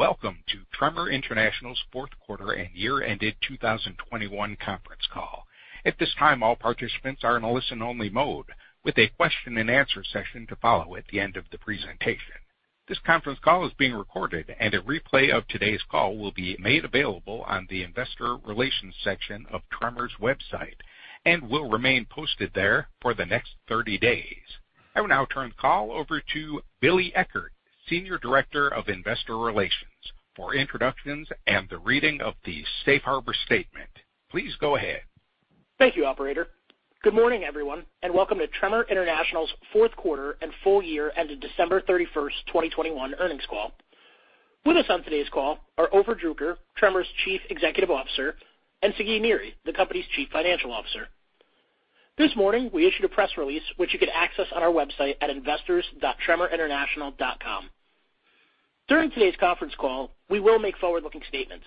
Welcome to Tremor International's fourth quarter and year-ended 2021 conference call. At this time, all participants are in a listen-only mode, with a question and answer session to follow at the end of the presentation. This conference call is being recorded, and a replay of today's call will be made available on the investor relations section of Tremor's website and will remain posted there for the next 30 days. I will now turn the call over to Billy Eckert, Senior Director of Investor Relations for introductions and the reading of the safe harbor statement. Please go ahead. Thank you, operator. Good morning, everyone, and welcome to Tremor International's fourth quarter and full year ended December 31, 2021 earnings call. With us on today's call are Ofer Druker, Tremor's Chief Executive Officer, and Sagi Niri, the company's Chief Financial Officer. This morning, we issued a press release which you can access on our website at investors.tremorinternational.com. During today's conference call, we will make forward-looking statements.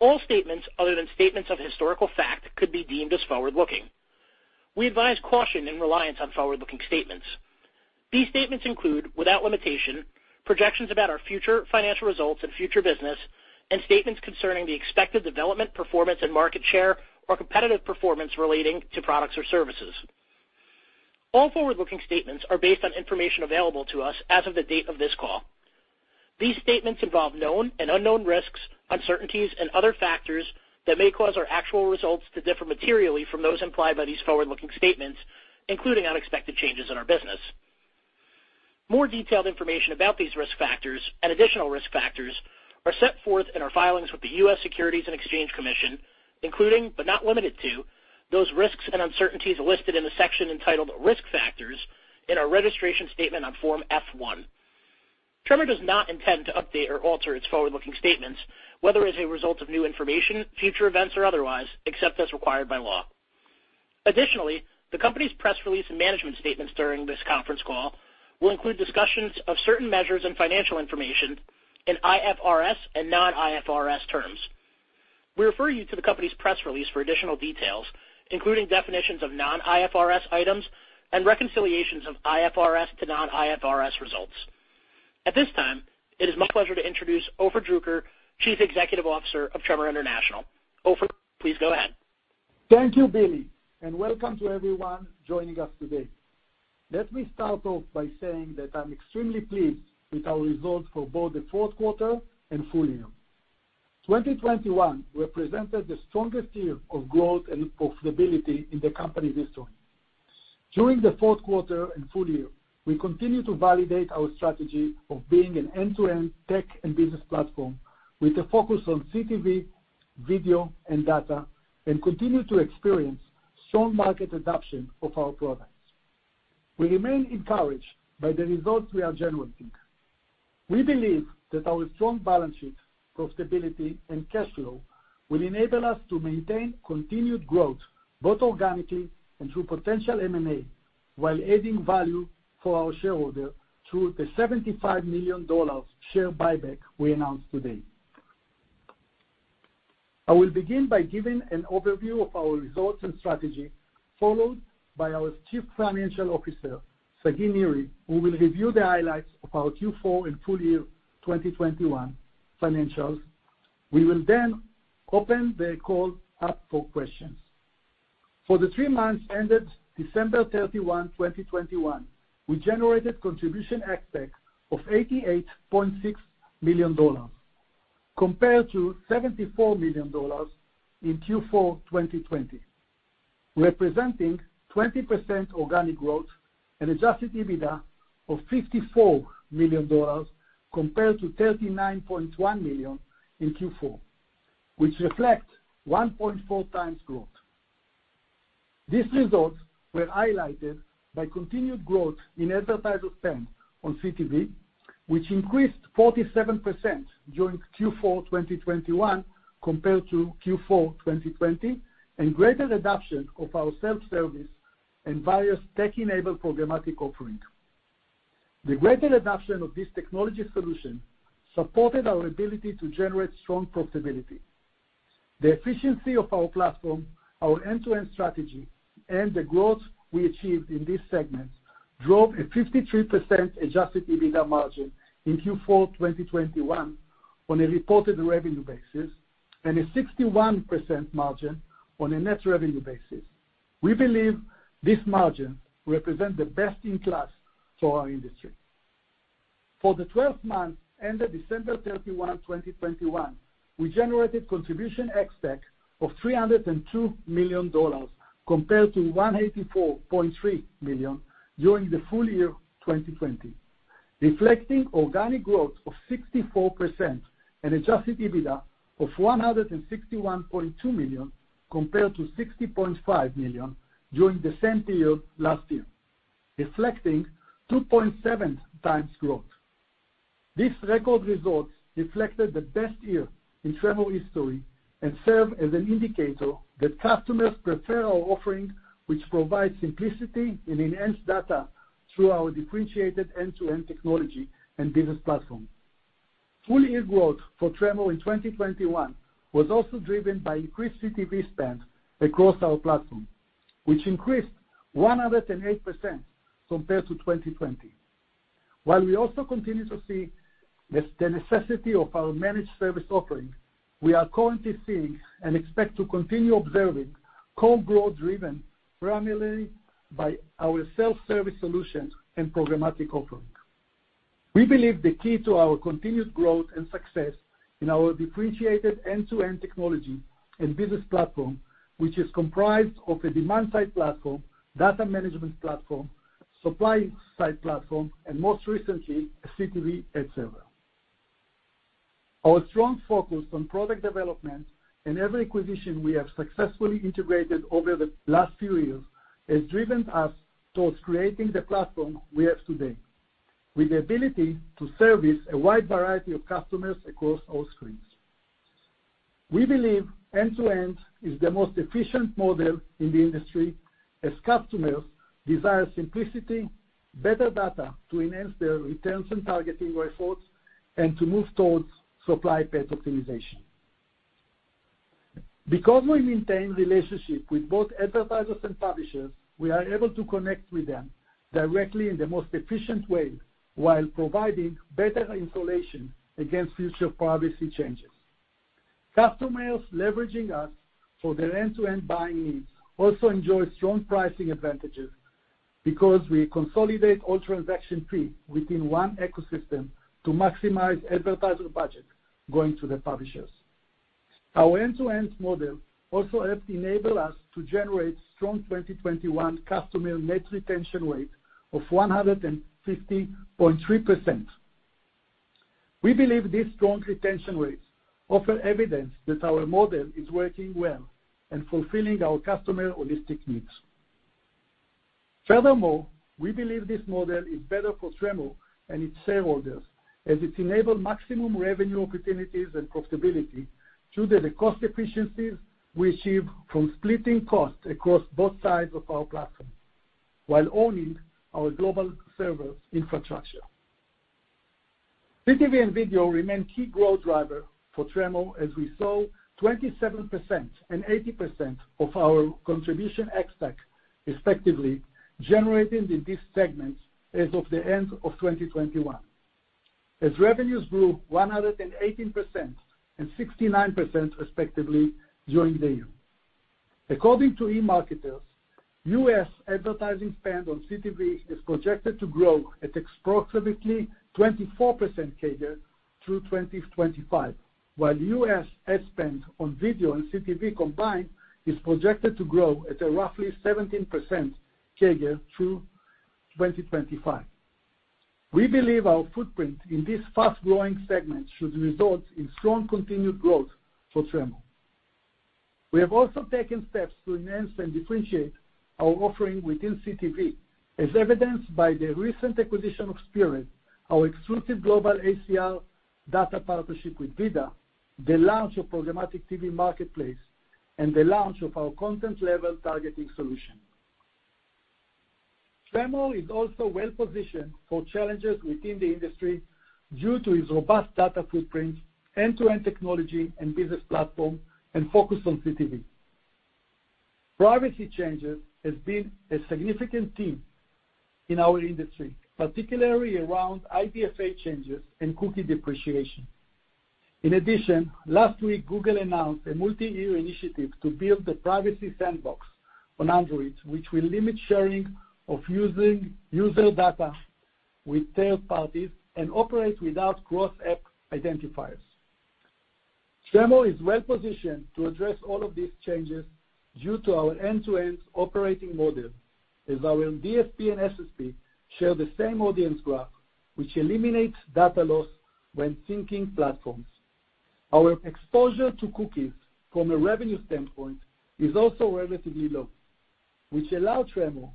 All statements other than statements of historical fact could be deemed as forward-looking. We advise caution and reliance on forward-looking statements. These statements include, without limitation, projections about our future financial results and future business, and statements concerning the expected development, performance and market share, or competitive performance relating to products or services. All forward-looking statements are based on information available to us as of the date of this call. These statements involve known and unknown risks, uncertainties and other factors that may cause our actual results to differ materially from those implied by these forward-looking statements, including unexpected changes in our business. More detailed information about these risk factors and additional risk factors are set forth in our filings with the US Securities and Exchange Commission, including, but not limited to, those risks and uncertainties listed in the section entitled Risk Factors in our registration statement on Form F-1. Tremor does not intend to update or alter its forward-looking statements, whether as a result of new information, future events or otherwise, except as required by law. Additionally, the company's press release and management statements during this conference call will include discussions of certain measures and financial information in IFRS and non-IFRS terms. We refer you to the company's press release for additional details, including definitions of non-IFRS items and reconciliations of IFRS to non-IFRS results. At this time, it is my pleasure to introduce Ofer Druker, Chief Executive Officer of Tremor International. Ofer, please go ahead. Thank you, Billy, and welcome to everyone joining us today. Let me start off by saying that I'm extremely pleased with our results for both the fourth quarter and full year. 2021 represented the strongest year of growth and profitability in the company history. During the fourth quarter and full year, we continue to validate our strategy of being an end-to-end tech and business platform with a focus on CTV, video and data, and continue to experience strong market adoption of our products. We remain encouraged by the results we are generating. We believe that our strong balance sheet, profitability and cash flow will enable us to maintain continued growth both organically and through potential M&A, while adding value for our shareholder through the $75 million share buyback we announced today. I will begin by giving an overview of our results and strategy, followed by our Chief Financial Officer, Sagi Niri, who will review the highlights of our Q4 and full year 2021 financials. We will then open the call up for questions. For the three months ended December 31, 2021, we generated contribution ex-TAC of $88.6 million compared to $74 million in Q4 2020, representing 20% organic growth and adjusted EBITDA of $54 million compared to $39.1 million in Q4, which reflect 1.4x growth. These results were highlighted by continued growth in advertising spend on CTV, which increased 47% during Q4 2021 compared to Q4 2020, and greater adoption of our self-service and various tech-enabled programmatic offering. The greater adoption of this technology solution supported our ability to generate strong profitability. The efficiency of our platform, our end-to-end strategy and the growth we achieved in this segment drove a 53% Adjusted EBITDA margin in Q4 2021 on a reported revenue basis and a 61% margin on a net revenue basis. We believe this margin represent the best in class for our industry. For the 12 months ended December 31, 2021, we generated contribution ex-TAC of $302 million compared to $184.3 million during the full year 2020, reflecting organic growth of 64% and Adjusted EBITDA of $161.2 million compared to $60.5 million during the same period last year, reflecting 2.7x growth. These record results reflected the best year in Tremor history and serve as an indicator that customers prefer our offering, which provides simplicity and enhanced data through our differentiated end-to-end technology and business platform. Full year growth for Tremor in 2021 was also driven by increased CTV spend across our platform, which increased 108% compared to 2020. While we also continue to see the necessity of our managed service offering, we are currently seeing and expect to continue observing core growth driven primarily by our self-service solutions and programmatic offering. We believe the key to our continued growth and success in our differentiated end-to-end technology and business platform, which is comprised of a demand-side platform, data management platform, supply-side platform, and most recently, a CTV ad server. Our strong focus on product development and every acquisition we have successfully integrated over the last few years has driven us towards creating the platform we have today, with the ability to service a wide variety of customers across all screens. We believe end-to-end is the most efficient model in the industry as customers desire simplicity, better data to enhance their retention targeting efforts, and to move towards supply path optimization. Because we maintain relationship with both advertisers and publishers, we are able to connect with them directly in the most efficient way while providing better insulation against future privacy changes. Customers leveraging us for their end-to-end buying needs also enjoy strong pricing advantages because we consolidate all transaction fee within one ecosystem to maximize advertiser budget going to the publishers. Our end-to-end model also helped enable us to generate strong 2021 customer net retention rate of 150.3%. We believe these strong retention rates offer evidence that our model is working well and fulfilling our customer holistic needs. Furthermore, we believe this model is better for Tremor and its shareholders, as it enable maximum revenue opportunities and profitability through the cost efficiencies we achieve from splitting costs across both sides of our platform while owning our global server infrastructure. CTV and video remain key growth driver for Tremor as we saw 27% and 80% of our contribution ex-TAC respectively generated in these segments as of the end of 2021, as revenues grew 118% and 69% respectively during the year. According to eMarketer, U.S. advertising spend on CTV is projected to grow at approximately 24% CAGR through 2025, while U.S. ad spend on video and CTV combined is projected to grow at a roughly 17% CAGR through 2025. We believe our footprint in this fast-growing segment should result in strong continued growth for Tremor. We have also taken steps to enhance and differentiate our offering within CTV, as evidenced by the recent acquisition of Spearad, our exclusive global ACR data partnership with VIDAA, the launch of Programmatic TV Marketplace, and the launch of our content-level targeting solution. Tremor is also well-positioned for challenges within the industry due to its robust data footprint, end-to-end technology and business platform, and focus on CTV. Privacy changes has been a significant theme in our industry, particularly around IDFA changes and cookie depreciation. In addition, last week, Google announced a multi-year initiative to build the Privacy Sandbox on Android, which will limit sharing of user data with third parties and operate without cross-app identifiers. Tremor is well-positioned to address all of these changes due to our end-to-end operating model, as our DSP and SSP share the same audience graph, which eliminates data loss when syncing platforms. Our exposure to cookies from a revenue standpoint is also relatively low, which allow Tremor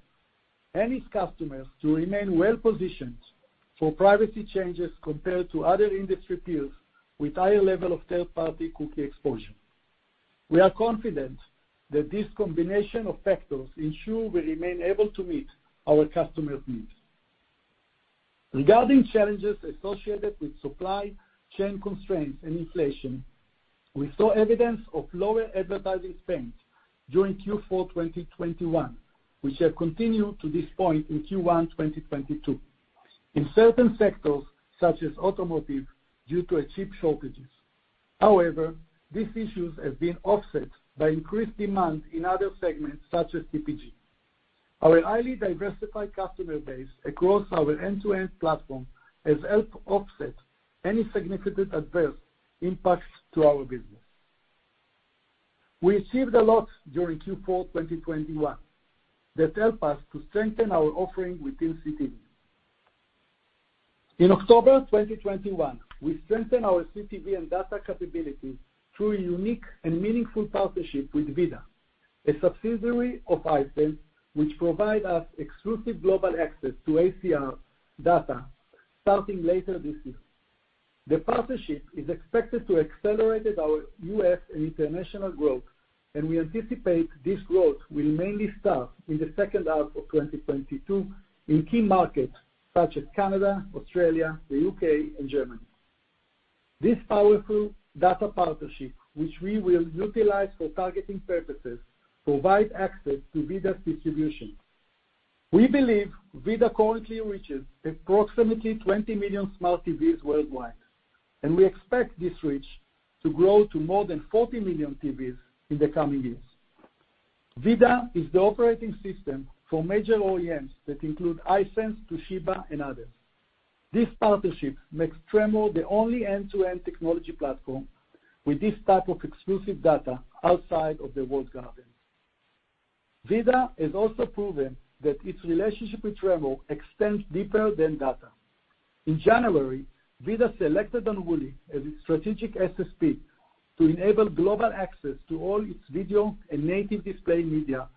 and its customers to remain well-positioned for privacy changes compared to other industry peers with higher level of third-party cookie exposure. We are confident that this combination of factors ensure we remain able to meet our customers' needs. Regarding challenges associated with supply chain constraints and inflation, we saw evidence of lower advertising spend during Q4 2021, which have continued to this point in Q1 2022 in certain sectors, such as automotive, due to a chip shortage. However, these issues have been offset by increased demand in other segments, such as CPG. Our highly diversified customer base across our end-to-end platform has helped offset any significant adverse impacts to our business. We achieved a lot during Q4 2021 that help us to strengthen our offering within CTV. In October 2021, we strengthened our CTV and data capability through a unique and meaningful partnership with VIDAA, a subsidiary of Hisense, which provide us exclusive global access to ACR data starting later this year. The partnership is expected to accelerate our U.S. and international growth. We anticipate this growth will mainly start in the second half of 2022 in key markets such as Canada, Australia, the U.K. and Germany. This powerful data partnership, which we will utilize for targeting purposes, provides access to VIDAA's distribution. We believe VIDAA currently reaches approximately 20 million smart TVs worldwide, and we expect this reach to grow to more than 40 million TVs in the coming years. VIDAA is the operating system for major OEMs that include Hisense, Toshiba and others. This partnership makes Tremor the only end-to-end technology platform with this type of exclusive data outside of the walled gardens. VIDAA has also proven that its relationship with Tremor extends deeper than data. In January, VIDAA selected Unruly as its strategic SSP to enable global access to all its video and native display media,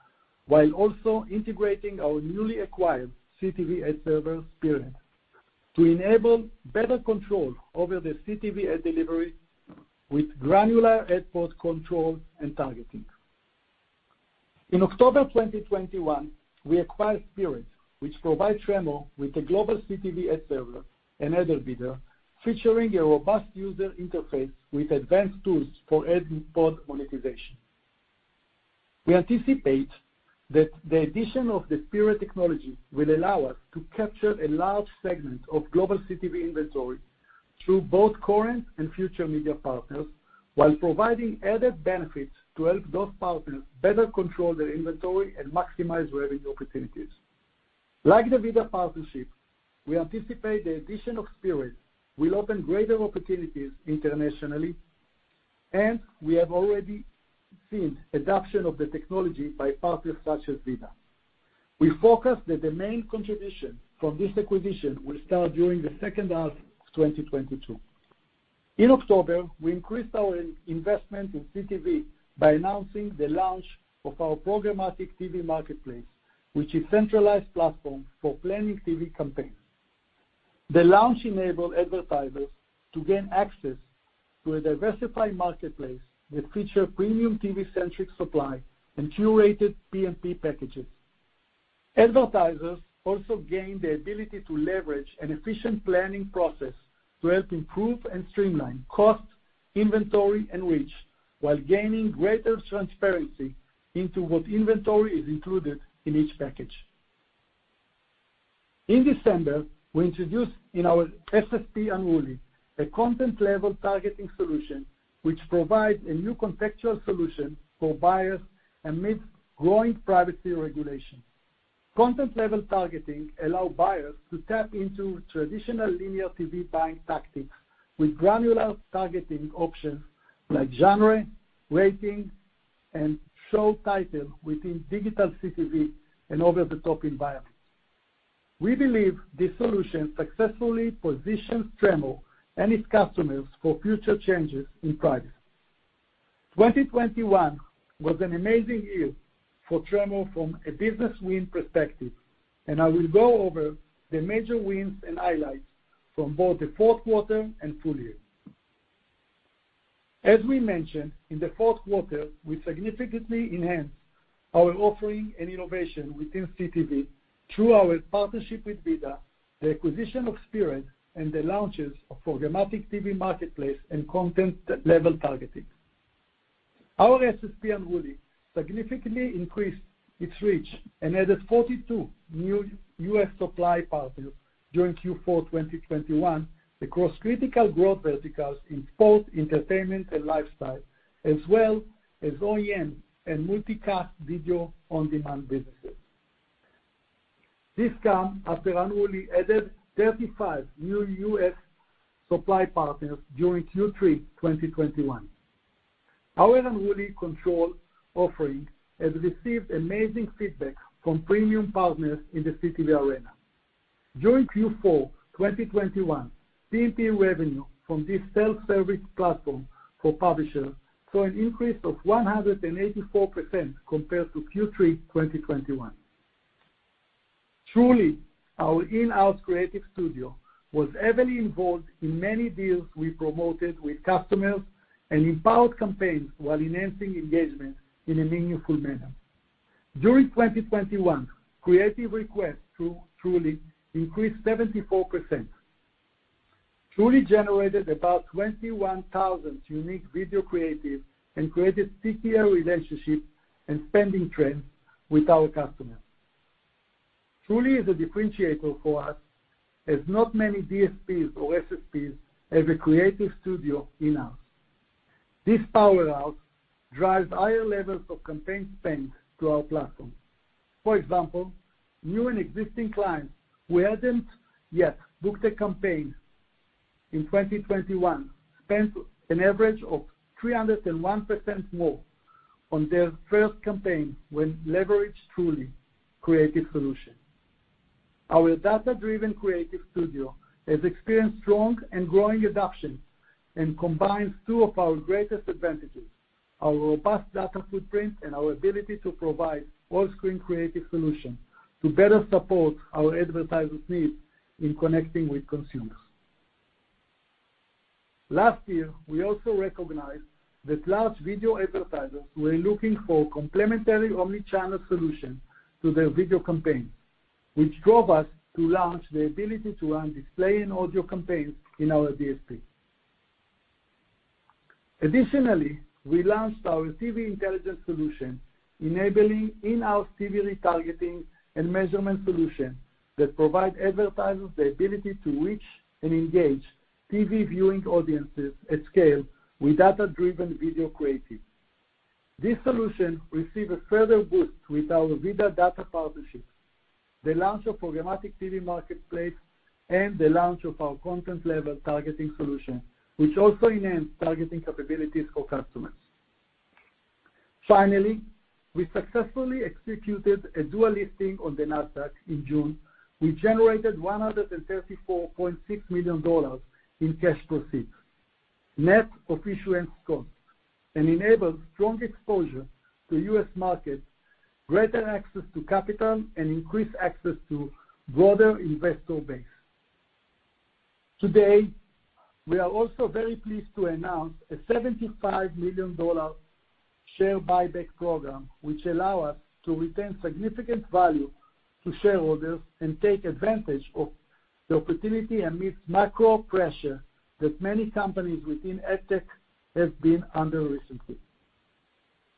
while also integrating our newly acquired CTV ad server, Spearad, to enable better control over the CTV ad delivery with granular ad pod control and targeting. In October 2021, we acquired Spearad, which provides Tremor with a global CTV ad server and header bidder featuring a robust user interface with advanced tools for ad pod monetization. We anticipate that the addition of the Spearad technology will allow us to capture a large segment of global CTV inventory through both current and future media partners, while providing added benefits to help those partners better control their inventory and maximize revenue opportunities. Like the VIDAA partnership, we anticipate the addition of Spearad will open greater opportunities internationally, and we have already seen adoption of the technology by partners such as VIDAA. We forecast that the main contribution from this acquisition will start during the second half of 2022. In October, we increased our investment in CTV by announcing the launch of our Programmatic TV Marketplace, which is centralized platform for planning TV campaigns. The launch enabled advertisers to gain access to a diversified marketplace that feature premium TV-centric supply and curated PMP packages. Advertisers also gained the ability to leverage an efficient planning process to help improve and streamline cost, inventory, and reach, while gaining greater transparency into what inventory is included in each package. In December, we introduced in our SSP, Unruly, a content-level targeting solution which provides a new contextual solution for buyers amidst growing privacy regulations. Content-level targeting allows buyers to tap into traditional linear TV buying tactics with granular targeting options like genre, rating, and show title within digital CTV and over-the-top environments. We believe this solution successfully positions Tremor and its customers for future changes in privacy. 2021 was an amazing year for Tremor from a business win perspective, and I will go over the major wins and highlights from both the fourth quarter and full year. As we mentioned, in the fourth quarter, we significantly enhanced our offering and innovation within CTV through our partnership with VIDAA, the acquisition of Spearad, and the launches of Programmatic TV Marketplace and content-level targeting. Our SSP, Unruly, significantly increased its reach and added 42 new U.S. supply partners during Q4 2021 across critical growth verticals in sports, entertainment and lifestyle, as well as OEM and Multicast Video On-Demand businesses. This comes after Unruly added 35 new U.S. supply partners during Q3 2021. Our Unruly controlled offering has received amazing feedback from premium partners in the CTV arena. During Q4 2021, PMP revenue from this self-service platform for publishers saw an increase of 184% compared to Q3 2021. Tr.ly, our in-house creative studio, was heavily involved in many deals we promoted with customers and empowered campaigns while enhancing engagement in a meaningful manner. During 2021, creative requests through Tr.ly increased 74%. Tr.ly generated about 21,000 unique video creative and created CTV relationships and spending trends with our customers. Tr.ly is a differentiator for us as not many DSPs or SSPs have a creative studio in-house. This power house drives higher levels of campaign spend to our platform. For example, new and existing clients who hadn't yet booked a campaign in 2021 spent an average of 301% more on their first campaign when leveraged Tr.ly creative solution. Our data-driven creative studio has experienced strong and growing adoption and combines two of our greatest advantages, our robust data footprint and our ability to provide all-screen creative solution to better support our advertisers' needs in connecting with consumers. Last year, we also recognized that large video advertisers were looking for complementary omni-channel solution to their video campaign, which drove us to launch the ability to run display and audio campaigns in our DSP. Additionally, we launched our TV Intelligence solution, enabling in-house TV retargeting and measurement solution that provide advertisers the ability to reach and engage TV viewing audiences at scale with data-driven video creative. This solution received a further boost with our video data partnership, the launch of Programmatic TV Marketplace, and the launch of our content-level targeting solution, which also enhanced targeting capabilities for customers. Finally, we successfully executed a dual listing on the Nasdaq in June. We generated $134.6 million in cash proceeds, net of issuance costs, and enabled strong exposure to U.S. markets, greater access to capital, and increased access to broader investor base. Today, we are also very pleased to announce a $75 million share buyback program, which allow us to retain significant value to shareholders and take advantage of the opportunity amidst macro pressure that many companies within AdTech have been under recently.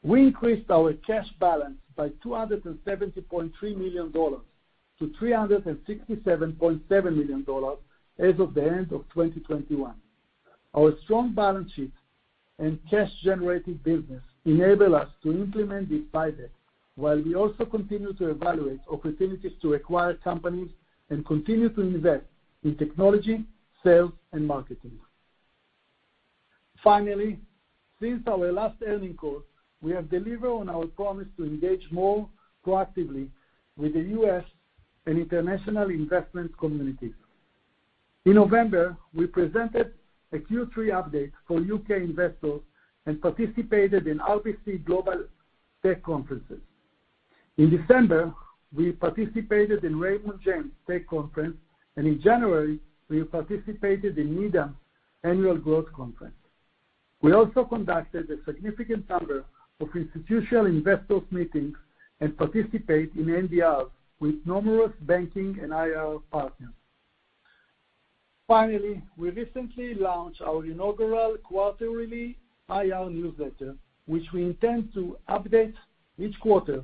We increased our cash balance by $270.3 million to $367.7 million as of the end of 2021. Our strong balance sheet and cash generating business enable us to implement this buyback, while we also continue to evaluate opportunities to acquire companies and continue to invest in technology, sales, and marketing. Finally, since our last earnings call, we have delivered on our promise to engage more proactively with the U.S. and international investment community. In November, we presented a Q3 update for U.K. investors and participated in RBC Global Technology Conference. In December, we participated in Raymond James Technology Investors Conference, and in January, we participated in Needham Annual Growth Conference. We also conducted a significant number of institutional investors meetings and participate in NDRs with numerous banking and IR partners. Finally, we recently launched our inaugural quarterly IR newsletter, which we intend to update each quarter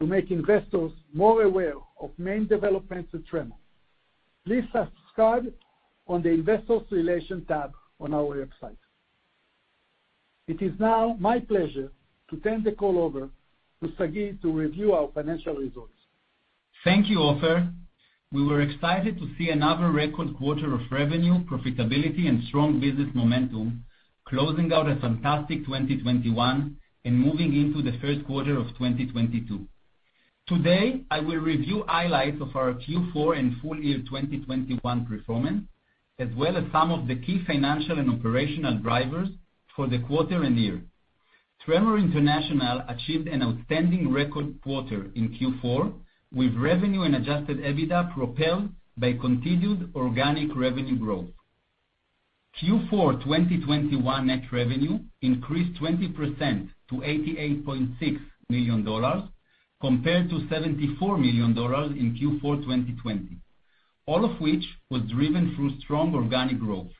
to make investors more aware of main developments at Tremor. Please subscribe on the investor relations tab on our website. It is now my pleasure to turn the call over to Sagi to review our financial results. Thank you, Ofer. We were excited to see another record quarter of revenue, profitability, and strong business momentum closing out a fantastic 2021 and moving into the first quarter of 2022. Today, I will review highlights of our Q4 and full year 2021 performance, as well as some of the key financial and operational drivers for the quarter and year. Tremor International achieved an outstanding record quarter in Q4, with revenue and Adjusted EBITDA propelled by continued organic revenue growth. Q4 2021 net revenue increased 20% to $88.6 million, compared to $74 million in Q4 2020, all of which was driven through strong organic growth.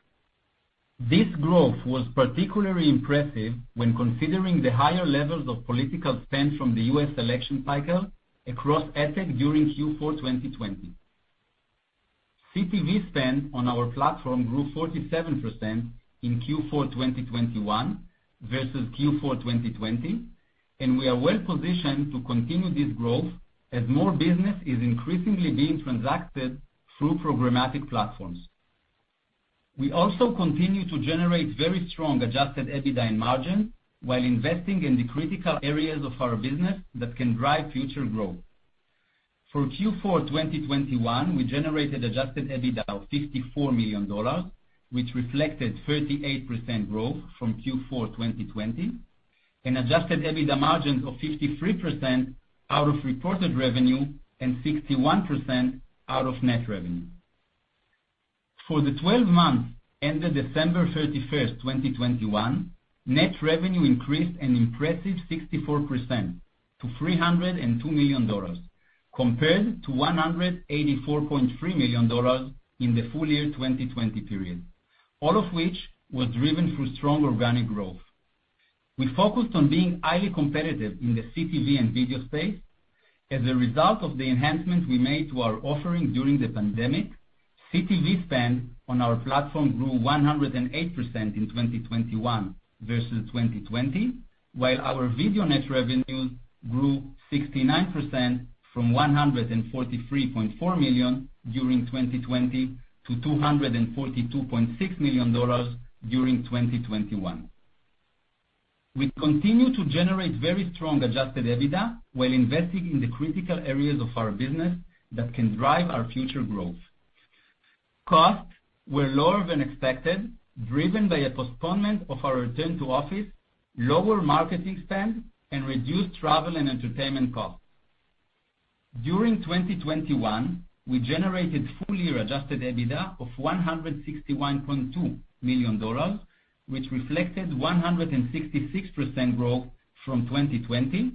This growth was particularly impressive when considering the higher levels of political spend from the U.S. election cycle across AdTech during Q4 2020. CTV spend on our platform grew 47% in Q4 2021 versus Q4 2020, and we are well-positioned to continue this growth as more business is increasingly being transacted through programmatic platforms. We also continue to generate very strong Adjusted EBITDA and margins while investing in the critical areas of our business that can drive future growth. For Q4 2021, we generated Adjusted EBITDA of $54 million, which reflected 38% growth from Q4 2020, and Adjusted EBITDA margins of 53% out of reported revenue and 61% out of net revenue. For the 12 months ended December 31, 2021, net revenue increased an impressive 64% to $302 million, compared to $184.3 million in the full year 2020 period, all of which was driven through strong organic growth. We focused on being highly competitive in the CTV and video space. As a result of the enhancements we made to our offering during the pandemic, CTV spend on our platform grew 108% in 2021 versus 2020, while our video net revenues grew 69% from $143.4 million during 2020 to $242.6 million during 2021. We continue to generate very strong adjusted EBITDA while investing in the critical areas of our business that can drive our future growth. Costs were lower than expected, driven by a postponement of our return to office, lower marketing spend, and reduced travel and entertainment costs. During 2021, we generated full year Adjusted EBITDA of $161.2 million, which reflected 166% growth from 2020,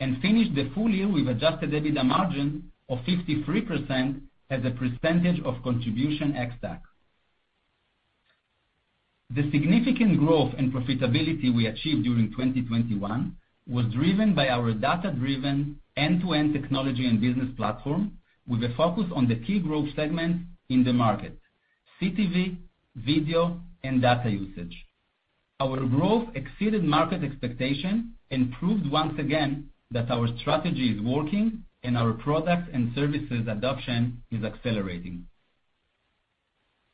and finished the full year with Adjusted EBITDA margin of 53% as a percentage of contribution ex-TAC. The significant growth and profitability we achieved during 2021 was driven by our data-driven end-to-end technology and business platform with a focus on the key growth segments in the market, CTV, video, and data usage. Our growth exceeded market expectation and proved once again that our strategy is working and our product and services adoption is accelerating.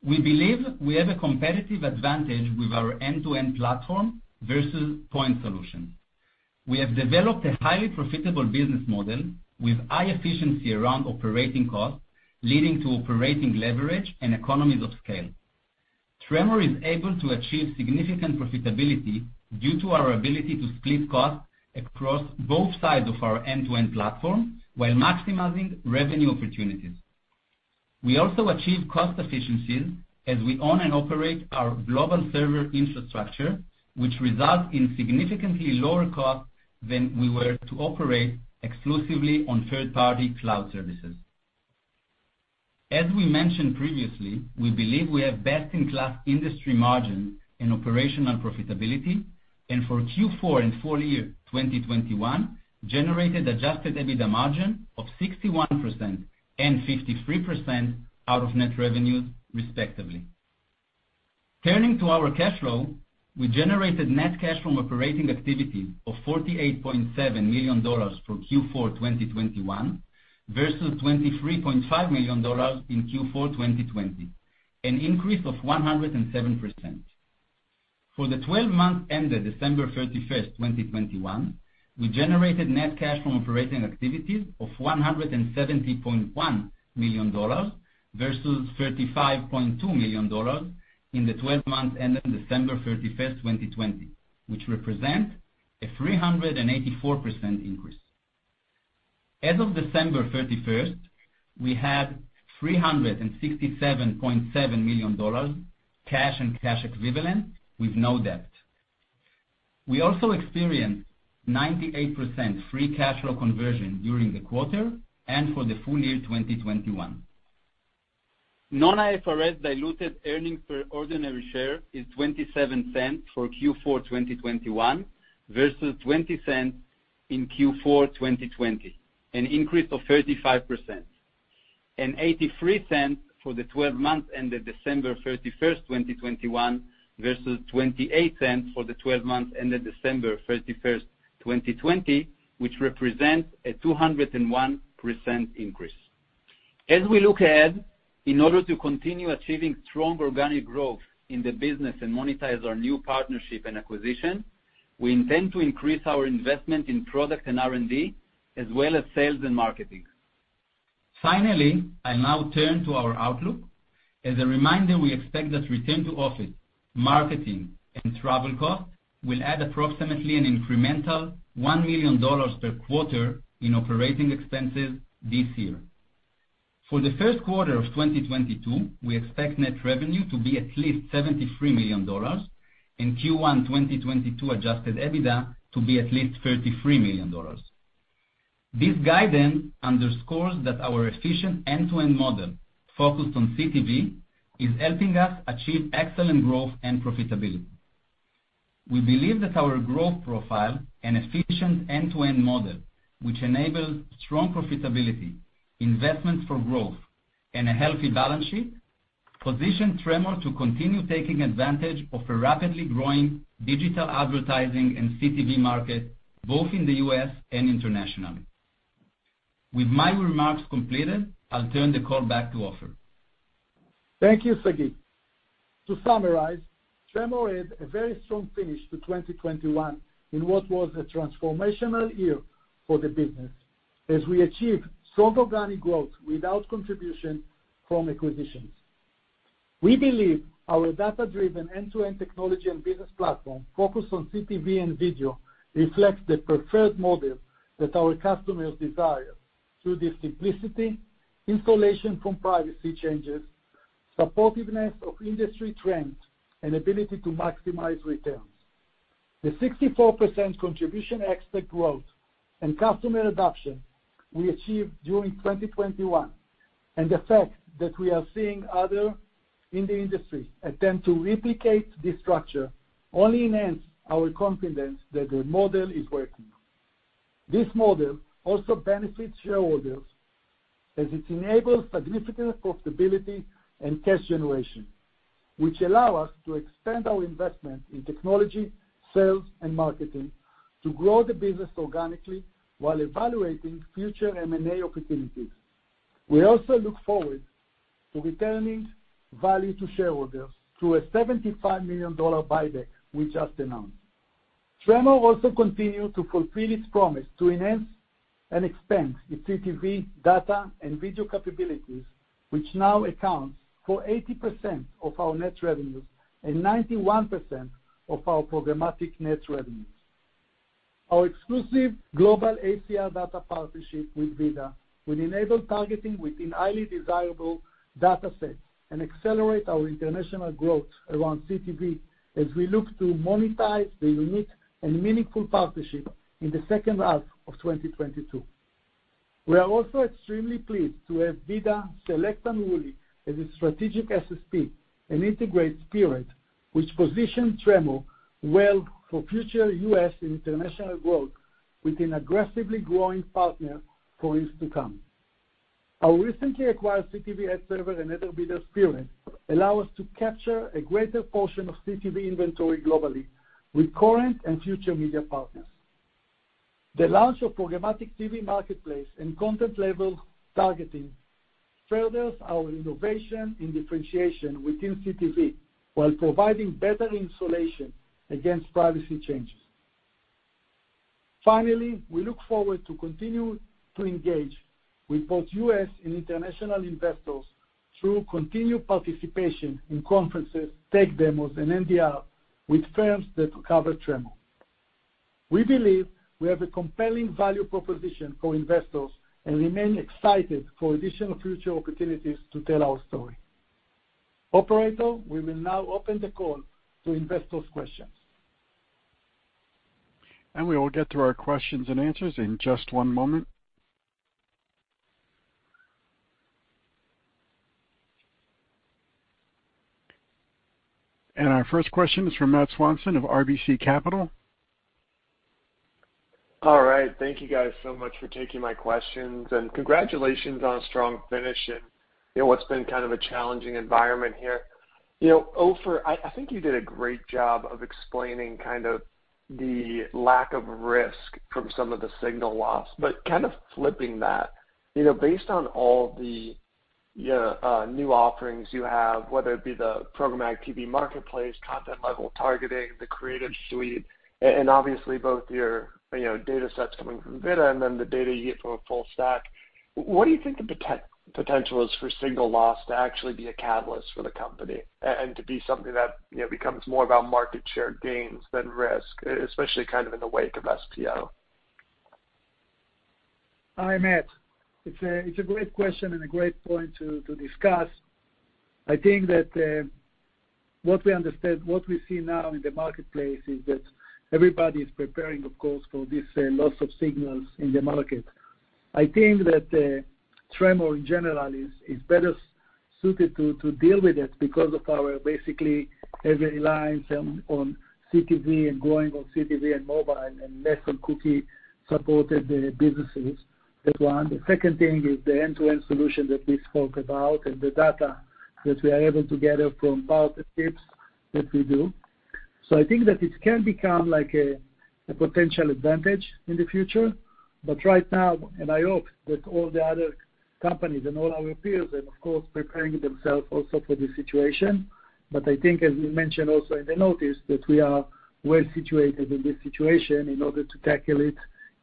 We believe we have a competitive advantage with our end-to-end platform versus point solution. We have developed a highly profitable business model with high efficiency around operating costs, leading to operating leverage and economies of scale. Tremor is able to achieve significant profitability due to our ability to split costs across both sides of our end-to-end platform while maximizing revenue opportunities. We also achieve cost efficiencies as we own and operate our global server infrastructure, which results in significantly lower costs than we were to operate exclusively on third-party cloud services. As we mentioned previously, we believe we have best-in-class industry margin in operational profitability, and we for Q4 and full year 2021 generated Adjusted EBITDA margin of 61% and 53% out of net revenues, respectively. Turning to our cash flow, we generated net cash from operating activities of $48.7 million for Q4 2021 versus $23.5 million in Q4 2020, an increase of 107%. For the twelve months ended December 31, 2021, we generated net cash from operating activities of $170.1 million versus $35.2 million in the twelve months ended December 31, 2020, which represent a 384% increase. As of December 31, we have $367.7 million cash and cash equivalent with no debt. We also experienced 98% free cash flow conversion during the quarter and for the full year 2021. Non-IFRS diluted earnings per ordinary share is $0.27 for Q4 2021 versus $0.20 in Q4 2020, an increase of 35%. Eighty-three cents for the twelve months ended December 31, 2021 versus $0.28 for the twelve months ended December 31, 2020, which represents a 201% increase. As we look ahead, in order to continue achieving strong organic growth in the business and monetize our new partnership and acquisition, we intend to increase our investment in product and R&D as well as sales and marketing. Finally, I now turn to our outlook. As a reminder, we expect that return to office, marketing and travel costs will add approximately an incremental $1 million per quarter in operating expenses this year. For the first quarter of 2022, we expect net revenue to be at least $73 million, and Q1 2022 adjusted EBITDA to be at least $33 million. This guidance underscores that our efficient end-to-end model focused on CTV is helping us achieve excellent growth and profitability. We believe that our growth profile and efficient end-to-end model, which enables strong profitability, investments for growth, and a healthy balance sheet, position Tremor to continue taking advantage of a rapidly growing digital advertising and CTV market, both in the U.S. and internationally. With my remarks completed, I'll turn the call back to Ofer. Thank you, Sagi. To summarize, Tremor had a very strong finish to 2021 in what was a transformational year for the business as we achieved strong organic growth without contribution from acquisitions. We believe our data-driven end-to-end technology and business platform focused on CTV and video reflects the preferred model that our customers desire through the simplicity, insulation from privacy changes, supportiveness of industry trends, and ability to maximize returns. The 64% contribution ex-TAC growth and customer adoption we achieved during 2021, and the fact that we are seeing others in the industry attempt to replicate this structure only enhance our confidence that the model is working. This model also benefits shareholders as it enables significant profitability and cash generation, which allow us to expand our investment in technology, sales and marketing to grow the business organically while evaluating future M&A opportunities. We also look forward to returning value to shareholders through a $75 million buyback we just announced. Tremor also continued to fulfill its promise to enhance and expand its CTV data and video capabilities, which now accounts for 80% of our net revenues and 91% of our programmatic net revenues. Our exclusive global ACR data partnership with VIDAA will enable targeting within highly desirable data sets and accelerate our international growth around CTV as we look to monetize the unique and meaningful partnership in the second half of 2022. We are also extremely pleased to have VIDAA select Unruly as a strategic SSP and integrate Spearad, which positions Tremor well for future U.S. and international growth with an aggressively growing partner for years to come. Our recently acquired CTV ad server and header bidder Spearad allow us to capture a greater portion of CTV inventory globally with current and future media partners. The launch of Programmatic TV Marketplace and content-level targeting furthers our innovation and differentiation within CTV, while providing better insulation against privacy changes. Finally, we look forward to continue to engage with both U.S. and international investors through continued participation in conferences, tech demos, and NDRs with firms that cover Tremor. We believe we have a compelling value proposition for investors and remain excited for additional future opportunities to tell our story. Operator, we will now open the call to investors' questions. We will get to our questions and answers in just one moment. Our first question is from Matt Swanson of RBC Capital. All right, thank you guys so much for taking my questions and congratulations on a strong finish in, you know, what's been kind of a challenging environment here. You know, Ofer, I think you did a great job of explaining kind of the lack of risk from some of the signal loss, but kind of flipping that. You know, based on all the new offerings you have, whether it be the Programmatic TV Marketplace, content-level targeting, the creative suite, and obviously both your, you know, data sets coming from VIDAA and then the data you get from a full stack, what do you think the potential is for signal loss to actually be a catalyst for the company and to be something that, you know, becomes more about market share gains than risk, especially kind of in the wake of SPO? Hi, Matthew. It's a great question and a great point to discuss. I think that what we understand, what we see now in the marketplace is that everybody is preparing, of course, for this loss of signals in the market. I think that Tremor in general is better suited to deal with it because of our basically heavy reliance on CTV and growing on CTV and mobile and less on cookie-supported businesses. That's one. The second thing is the end-to-end solution that we spoke about and the data that we are able to gather from partnerships that we do. I think that this can become like a potential advantage in the future. I hope that all the other companies and all our peers are of course preparing themselves also for this situation. I think as we mentioned also in the notice, that we are well situated in this situation in order to tackle it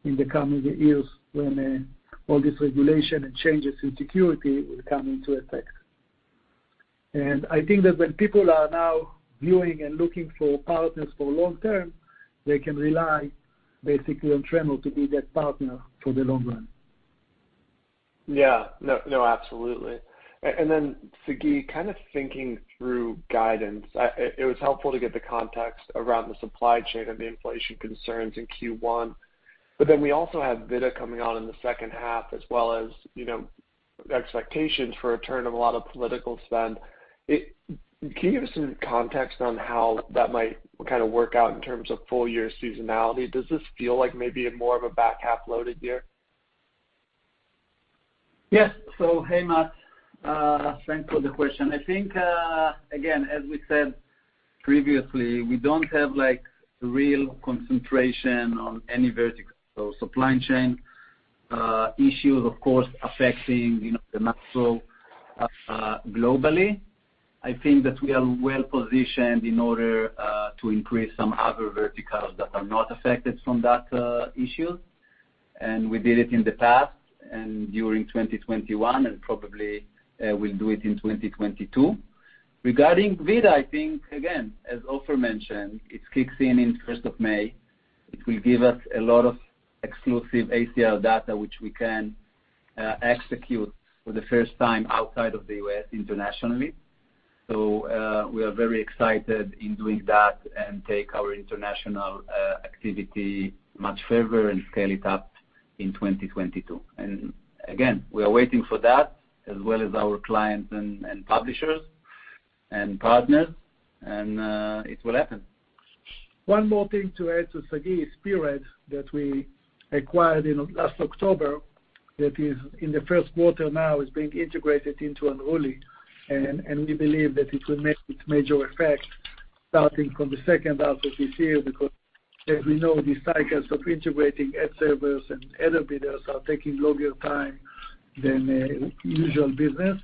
in the coming years when all this regulation and changes in security will come into effect. I think that when people are now viewing and looking for partners for long term, they can rely basically on Tremor to be that partner for the long run. Yeah. No, no, absolutely. Sagi, kind of thinking through guidance, it was helpful to get the context around the supply chain and the inflation concerns in Q1. We also have VIDAA coming on in the second half as well as, you know, expectations for a return of a lot of political spend. Can you give some context on how that might kind of work out in terms of full year seasonality? Does this feel like maybe more of a back half loaded year? Yes. Hey, Matthew. Thanks for the question. I think, again, as we said previously, we don't have like real concentration on any vertical. Supply chain issues of course affecting, you know, the macro globally. I think that we are well-positioned in order to increase some other verticals that are not affected from that issue. We did it in the past and during 2021 and probably we'll do it in 2022. Regarding VIDAA, I think, again, as Ofer mentioned, it kicks in in the first of May. It will give us a lot of exclusive ACR data which we can execute for the first time outside of the U.S. internationally. We are very excited in doing that and take our international activity much further and scale it up in 2022. Again, we are waiting for that as well as our clients and publishers and partners and it will happen. One more thing to add to Sagi is Spearad that we acquired in last October that is in the first quarter now is being integrated into Unruly. We believe that it will make its major effect starting from the second half of this year, because as we know, these cycles of integrating ad servers and header bidders are taking longer time than usual business.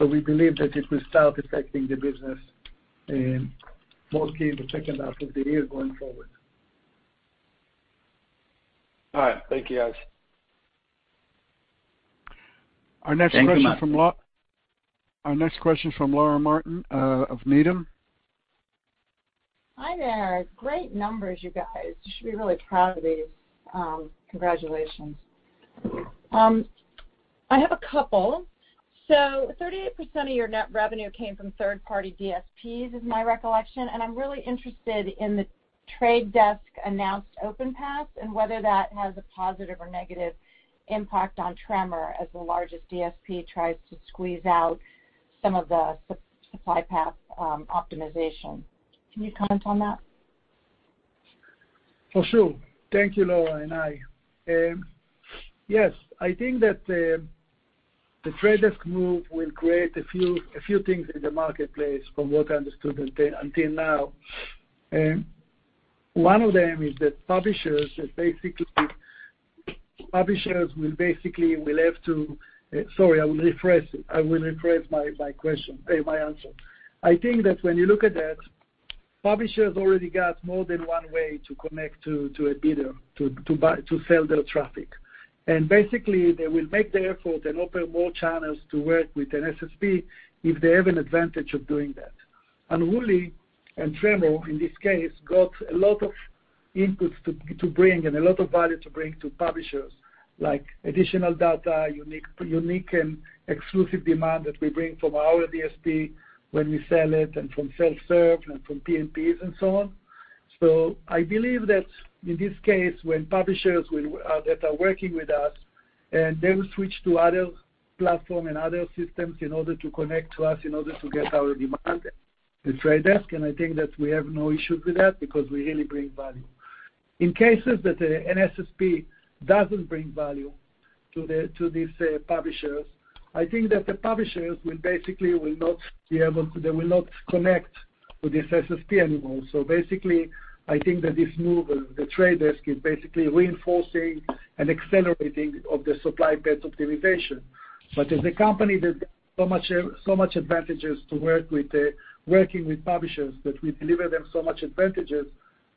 We believe that it will start affecting the business more key in the second half of the year going forward. All right. Thank you guys. Our next question from Laura Martin of Needham. Hi there. Great numbers, you guys. You should be really proud of these. Congratulations. I have a couple. Thirty-eight percent of your net revenue came from third party DSPs, is my recollection, and I'm really interested in The Trade Desk announced OpenPath and whether that has a positive or negative impact on Tremor as the largest DSP tries to squeeze out some of the supply path optimization. Can you comment on that? For sure. Thank you, Laura and I. I think that The Trade Desk move will create a few things in the marketplace from what I understood until now. One of them is that publishers basically will have to. Sorry, I will rephrase it. I will rephrase my answer. I think that when you look at that, publishers already got more than one way to connect to a bidder to sell their traffic. They will make the effort and open more channels to work with an SSP if they have an advantage of doing that. Unruly and Tremor, in this case, got a lot of inputs to bring and a lot of value to bring to publishers, like additional data, unique and exclusive demand that we bring from our DSP when we sell it and from self-serve and from PMPs and so on. I believe that in this case, when publishers that are working with us and they will switch to other platform and other systems in order to connect to us in order to get our demand from The Trade Desk, and I think that we have no issue with that because we really bring value. In cases that an SSP doesn't bring value to these publishers, I think that the publishers will not connect to this SSP anymore. Basically, I think that this move of The Trade Desk is basically reinforcing and accelerating of the supply path optimization. As a company that so much advantages to work with working with publishers, that we deliver them so much advantages,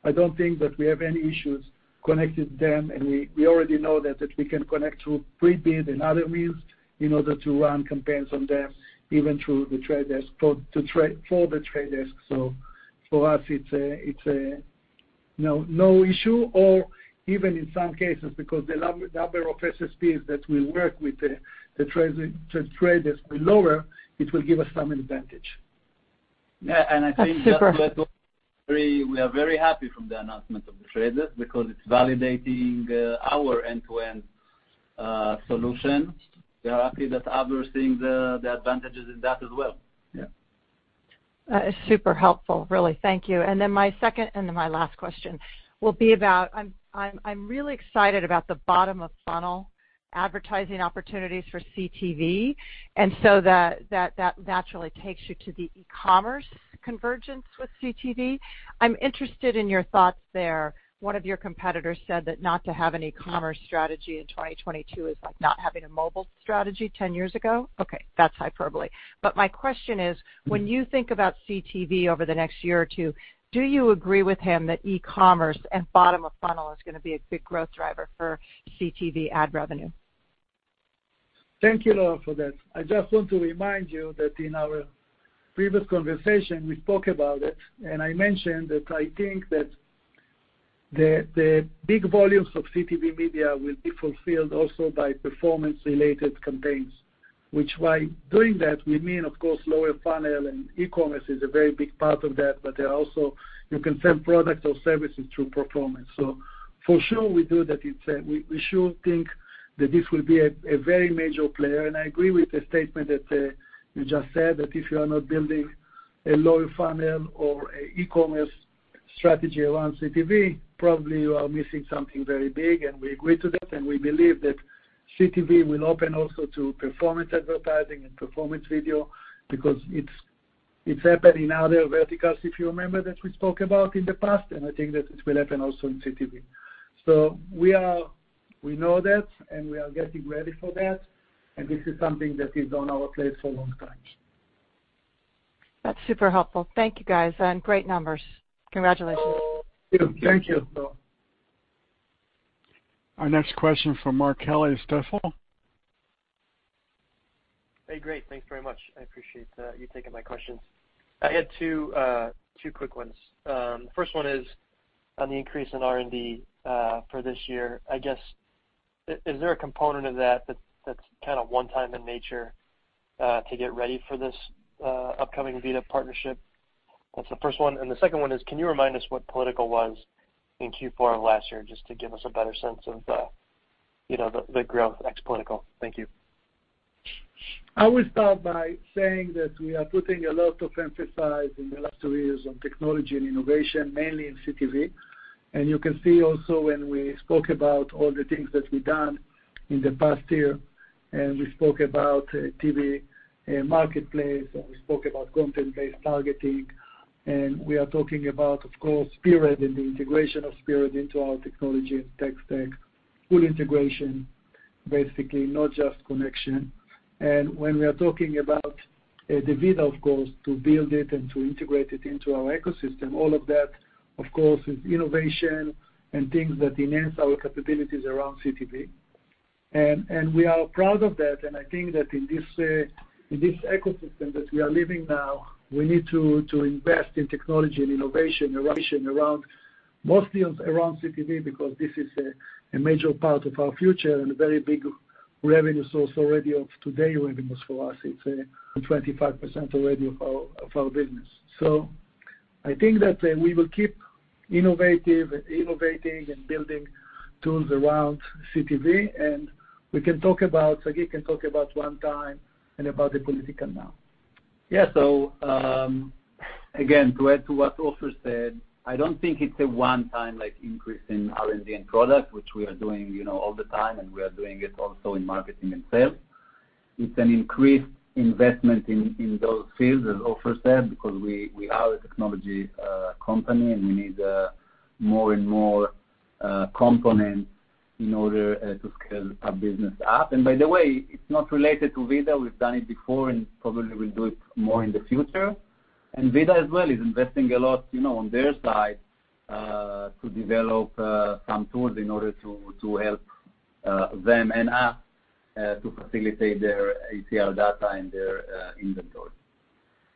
I don't think that we have any issues connecting them, and we already know that we can connect through Prebid and other means in order to run campaigns on them, even through The Trade Desk for The Trade Desk. For us, it's a no issue, or even in some cases, because the number of SSPs that will work with The Trade Desk will lower, it will give us some advantage. Yeah. I think just to add to Unruly, we are very happy from the announcement of The Trade Desk because it's validating our end-to-end solution. We are happy that others seeing the advantages in that as well. Yeah. Super helpful, really. Thank you. Then my second and then my last question will be about. I'm really excited about the bottom-of-funnel advertising opportunities for CTV, and so that naturally takes you to the e-commerce convergence with CTV. I'm interested in your thoughts there. One of your competitors said that not to have an e-commerce strategy in 2022 is like not having a mobile strategy 10 years ago. Okay, that's hyperbole. My question is, when you think about CTV over the next year or two, do you agree with him that e-commerce and bottom-of-funnel is gonna be a big growth driver for CTV ad revenue? Thank you, Laura, for that. I just want to remind you that in our previous conversation, we spoke about it, and I mentioned that I think that the big volumes of CTV media will be fulfilled also by performance-related campaigns. Which by doing that, we mean, of course, lower funnel and e-commerce is a very big part of that, but there are also, you can sell products or services through performance. So for sure, we do that. It's we sure think that this will be a very major player. I agree with the statement that you just said that if you are not building a lower funnel or an e-commerce strategy around CTV, probably you are missing something very big. We agree to that, and we believe that CTV will open also to performance advertising and performance video because it's happened in other verticals, if you remember, that we spoke about in the past, and I think that it will happen also in CTV. We know that, and we are getting ready for that. This is something that is on our plate for a long time. That's super helpful. Thank you, guys, and great numbers. Congratulations. Thank you. Thank you. Thank you. Our next question from Mark Kelly, Stifel. Hey, great. Thank you very much. I appreciate you taking my questions. I had two quick ones. First one is on the increase in R&D for this year. I guess, is there a component of that that's kinda one-time in nature to get ready for this upcoming VIDAA partnership? That's the first one. The second one is, can you remind us what political was in Q4 of last year, just to give us a better sense of, you know, the growth ex political? Thank you. I will start by saying that we are putting a lot of emphasis in the last two years on technology and innovation, mainly in CTV. You can see also when we spoke about all the things that we've done in the past year, and we spoke about TV marketplace, and we spoke about content-based targeting, and we are talking about, of course, Spearad and the integration of Spearad into our technology and tech stack, full integration, basically, not just connection. When we are talking about the VIDAA of course to build it and to integrate it into our ecosystem. All of that, of course, is innovation and things that enhance our capabilities around CTV. We are proud of that, and I think that in this ecosystem that we are living now, we need to invest in technology and innovation around CTV because this is a major part of our future and a very big revenue source already of today's revenues for us. It's 25% already of our business. I think that we will keep innovating and building tools around CTV, and Sagi can talk about one-time and about the political now. Yeah. Again, to add to what Ofer said, I don't think it's a one-time like increase in R&D and product, which we are doing, you know, all the time, and we are doing it also in marketing and sales. It's an increased investment in those fields, as Ofer said, because we are a technology company, and we need more and more components in order to scale our business up. By the way, it's not related to VIDAA. We've done it before, and probably we'll do it more in the future. VIDAA as well is investing a lot, you know, on their side, to develop some tools in order to help them and us to facilitate their ACR data and their inventory.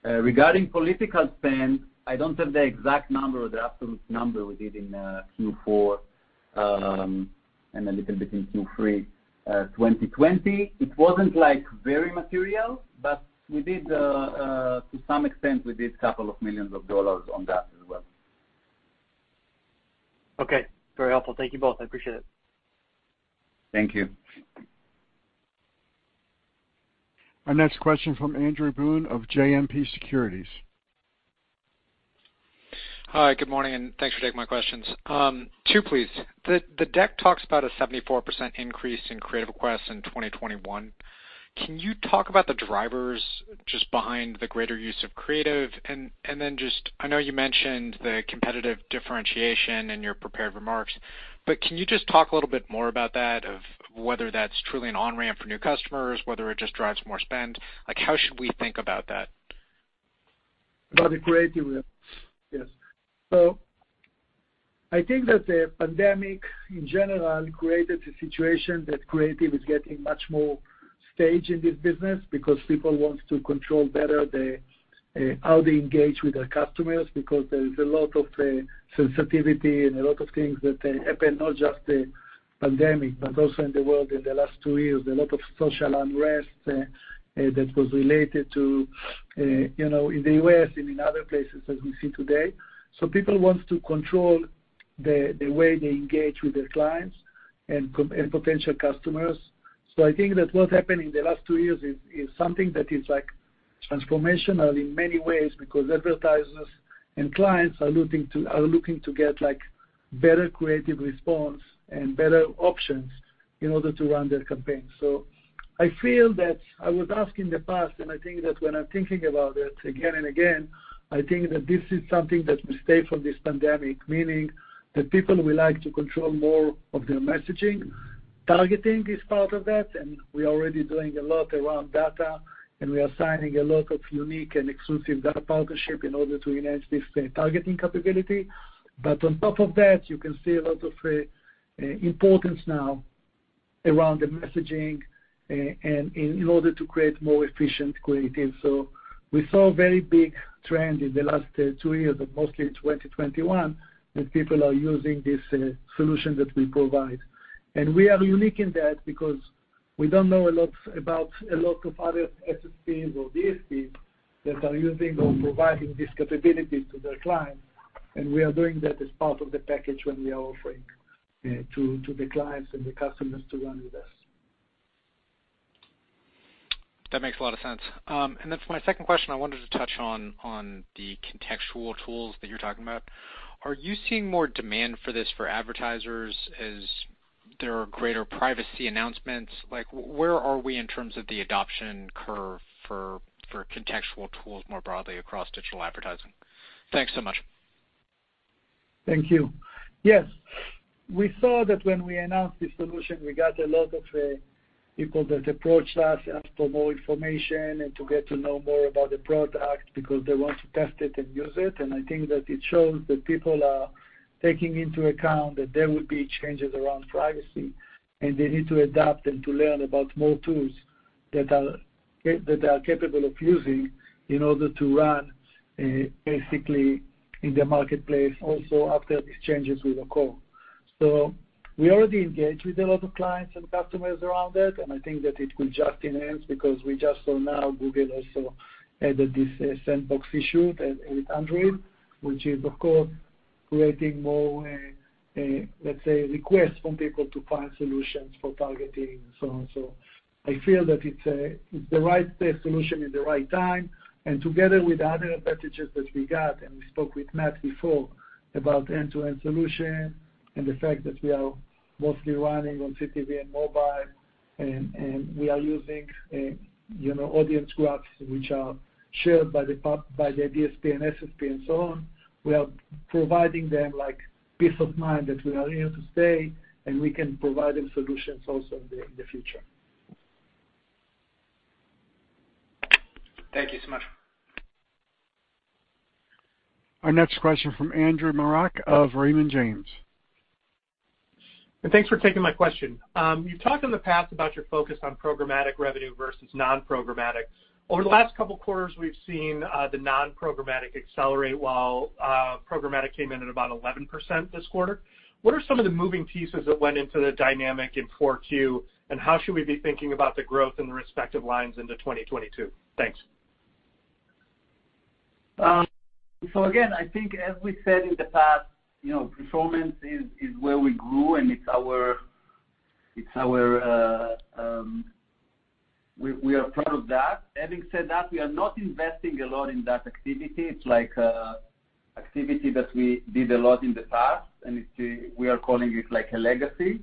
Regarding political spend, I don't have the exact number or the absolute number we did in Q4 and a little bit in Q3 2020. It wasn't like very material, but we did to some extent a couple of millions of dollars on that as well. Okay. Very helpful. Thank you both. I appreciate it. Thank you. Our next question from Andrew Boone of JMP Securities. Hi. Good morning, and thanks for taking my questions. Two, please. The deck talks about a 74% increase in creative requests in 2021. Can you talk about the drivers just behind the greater use of creative? And then just I know you mentioned the competitive differentiation in your prepared remarks, but can you just talk a little bit more about that of whether that's truly an on-ramp for new customers, whether it just drives more spend? Like, how should we think about that? About the creative requests. Yes. I think that the pandemic, in general, created a situation that creative is getting much more stage in this business because people want to control better the how they engage with their customers because there is a lot of sensitivity and a lot of things that happened, not just the pandemic, but also in the world in the last two years, a lot of social unrest that was related to you know, in the U.S. and in other places as we see today. People want to control the way they engage with their clients and potential customers. I think that what happened in the last two years is something that is like transformational in many ways because advertisers and clients are looking to get, like, better creative response and better options in order to run their campaigns. I feel that I was asked in the past, and I think that when I'm thinking about it again and again, I think that this is something that will stay for this pandemic, meaning that people will like to control more of their messaging. Targeting is part of that, and we're already doing a lot around data, and we are signing a lot of unique and exclusive data partnership in order to enhance this targeting capability. But on top of that, you can see a lot of importance now around the messaging and in order to create more efficient creative. We saw a very big trend in the last two years, but mostly in 2021, that people are using this solution that we provide. We are unique in that because we don't know a lot about a lot of other SSPs or DSPs that are using or providing these capabilities to their clients. We are doing that as part of the package when we are offering to the clients and the customers to run with us. That makes a lot of sense. That's my second question. I wanted to touch on the contextual tools that you're talking about. Are you seeing more demand for this for advertisers as there are greater privacy announcements? Like, where are we in terms of the adoption curve for contextual tools more broadly across digital advertising? Thanks so much. Thank you. Yes. We saw that when we announced this solution, we got a lot of people that approached us, asked for more information and to get to know more about the product because they want to test it and use it. I think that it shows that people are taking into account that there will be changes around privacy, and they need to adapt and to learn about more tools that are capable of using in order to run basically in the marketplace also after these changes will occur. We already engaged with a lot of clients and customers around it, and I think that it will just enhance because we just saw now Google also added this, sandbox issue with Android, which is of course creating more, let's say, requests from people to find solutions for targeting and so on and so. I feel that it's the right solution in the right time. Together with the other advantages that we got, and we spoke with Matt before about end-to-end solution and the fact that we are mostly running on CTV and mobile, and we are using, you know, audience graphs, which are Shared by the DSP and SSP and so on. We are providing them like peace of mind that we are here to stay, and we can provide them solutions also in the future. Thank you so much. Our next question from Andrew Marok of Raymond James. Thanks for taking my question. You've talked in the past about your focus on programmatic revenue versus non-programmatic. Over the last couple quarters, we've seen the non-programmatic accelerate while programmatic came in at about 11% this quarter. What are some of the moving pieces that went into the dynamic in 4Q, and how should we be thinking about the growth in the respective lines into 2022? Thanks. Again, I think as we said in the past, you know, performance is where we grew, and it's our. We are proud of that. Having said that, we are not investing a lot in that activity. It's like a activity that we did a lot in the past, and it's a. We are calling it like a legacy.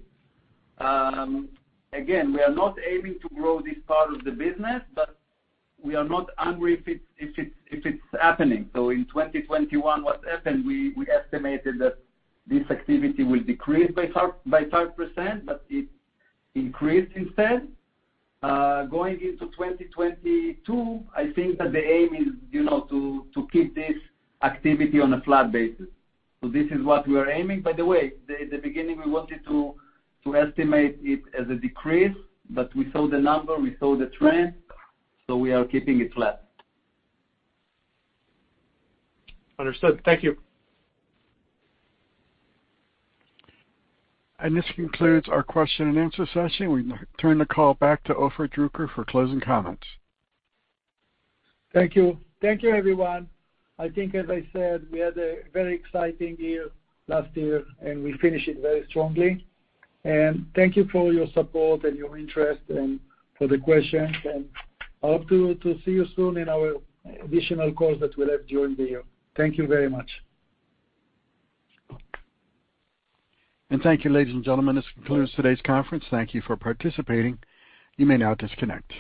Again, we are not aiming to grow this part of the business, but we are not angry if it's happening. In 2021, what happened, we estimated that this activity will decrease by 30%, but it increased instead. Going into 2022, I think that the aim is, you know, to keep this activity on a flat basis. This is what we are aiming. By the way, the beginning we wanted to estimate it as a decrease, but we saw the number, we saw the trend, so we are keeping it flat. Understood. Thank you. This concludes our question and answer session. We now turn the call back to Ofer Druker for closing comments. Thank you. Thank you, everyone. I think as I said, we had a very exciting year last year, and we finished it very strongly. Thank you for your support and your interest and for the questions. I hope to see you soon in our additional calls that we'll have during the year. Thank you very much. Thank you, ladies and gentlemen. This concludes today's conference. Thank you for participating. You may now disconnect.